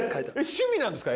趣味なんですか？